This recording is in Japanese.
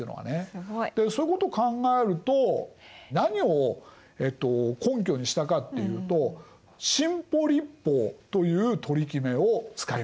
すごい！でそういうことを考えると何を根拠にしたかっていうと新補率法という取り決めを使いました。